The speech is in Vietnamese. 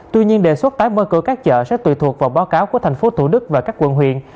tuy nhiên đề xuất tái mở cửa các chợ sẽ tùy thuộc vào báo cáo của thành phố thủ đức và các quận huyện